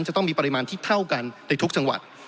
จะต้องมีปริมาณที่เท่ากันในทุกจังหวัด